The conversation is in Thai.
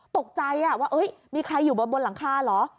ตกใจว่ามีใครอยู่บนหลังคาเหรอ